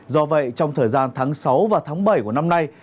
do vậy trong thời gian tháng sáu và tháng bảy của năm nay